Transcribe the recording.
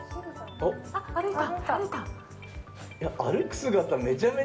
歩いた！